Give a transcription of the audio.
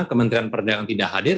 kementerian perdagangan tidak hadir